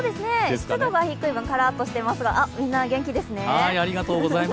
湿度が低い分、カラっとしていますが、みんな元気ですね。